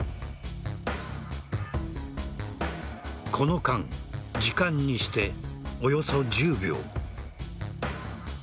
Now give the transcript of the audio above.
この間時間にしておよそ１０秒。